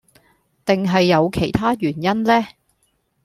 定係有其他原因呢